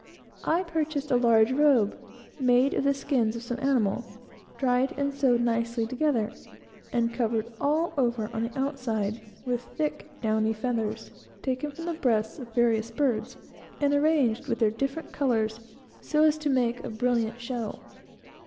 I purchased a large robe, made of the skins of some animals, dried and sewed nicely together, and covered all over on the outside with thick downy feathers, taken from the breasts of various birds, and arranged with their different colors, so as to make a brilliant show.